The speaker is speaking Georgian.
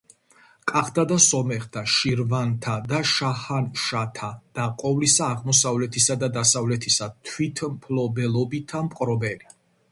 , კახთა და სომეხთა, შირვანთა და შაჰანშათა და ყოვლისა აღმოსავლეთისა და დასავლეთისა თვითმფლობელობითა მპყრობელი“.